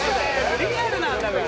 リアルなんだから。